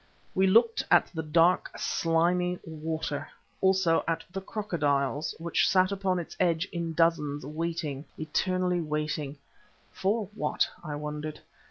We looked at the dark, slimy water also at the crocodiles which sat upon its edge in dozens waiting, eternally waiting, for what, I wondered.